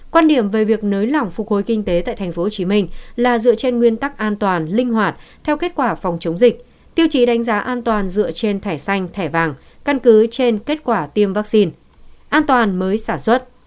quan điểm về việc nới lỏng phục hồi kinh tế tại tp hcm là dựa trên nguyên tắc an toàn linh hoạt theo kết quả phòng chống dịch tiêu chí đánh giá an toàn dựa trên thẻ xanh thẻ vàng căn cứ trên kết quả tiêm vaccine an toàn mới sản xuất